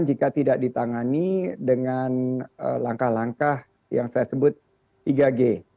jika tidak ditangani dengan langkah langkah yang saya sebut tiga g